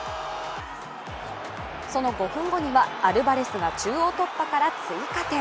その５分後には、アルバレスが中央突破から追加点。